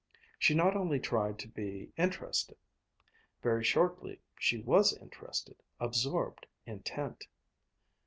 She not only tried to be interested. Very shortly she was interested, absorbed, intent.